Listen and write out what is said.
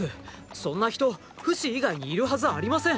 そんな人フシ以外にいるはずありません。